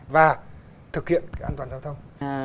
và thực hiện an toàn giao thông